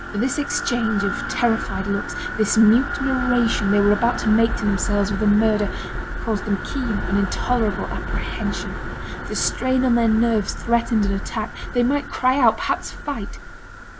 This exchange of terrified looks, this mute narration they were about to make to themselves of the murder, caused them keen and intolerable apprehension. The strain on their nerves threatened an attack, they might cry out, perhaps fight.